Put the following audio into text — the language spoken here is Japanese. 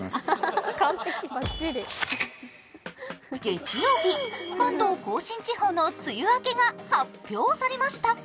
月曜日、関東甲信地方の梅雨明けが発表されました。